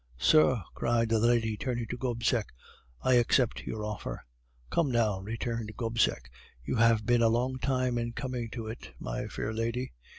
"'Sir!' cried the lady, turning to Gobseck. 'I accept your offer.' "'Come, now,' returned Gobseck. 'You have been a long time in coming to it, my fair lady.